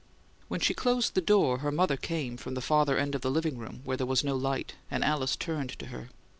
When she closed the door her mother came from the farther end of the "living room," where there was no light; and Alice turned to her.